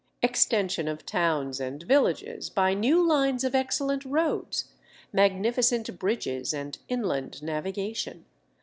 extension of towns and villages, by new lines of excellent roads, magnificent bridges and inland navigation